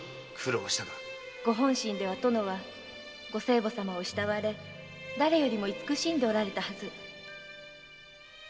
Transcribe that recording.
〔ご本心では殿はご生母様を慕われ誰よりも慈しんでおられたはず〕